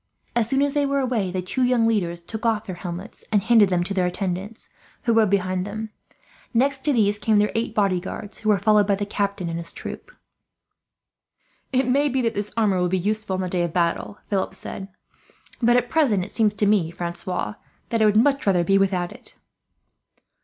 As soon as they were away, the two young leaders took off their helmets and handed them to their attendants, who rode behind them. Next to these came their eight bodyguards, who were followed by the captain and his troop. "It may be that this armour will be useful, on the day of battle," Philip said; "but at present it seems to me, Francois, that I would much rather be without it."